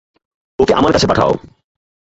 ওকে আমার কাছে পাঠাও।